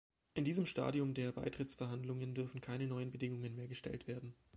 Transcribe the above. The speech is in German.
In diesem Stadium der Beitrittsverhandlungen dürfen keine neuen Bedingungen mehr gestellt werden.